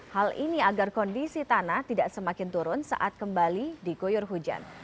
hal ini agar kondisi tanah tidak semakin turun saat kembali digoyur hujan